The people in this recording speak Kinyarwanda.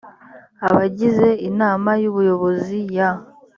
abagize inama y ubuyobozi ya